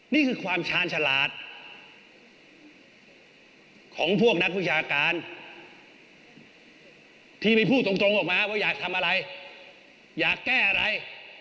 นี่คือความชาญฉลาดของพวกนักวิชาการที่ไม่พูดตรงออกมาว่าอยากทำอะไรอยากแก้อะไร